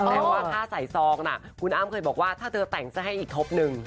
แต่ว่าค่าใส่ซองน่ะคุณอ้ำเคยบอกว่าถ้าเธอแต่งซะให้อีกทบหนึ่ง